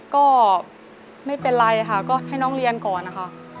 ก็ไม่เป็นไรค่ะก็ให้น้องเรียนก่อนนะคะ